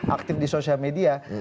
aktif di sosial media